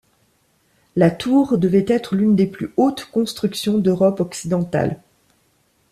La tour devait être l'une des plus hautes constructions d'Europe occidentale.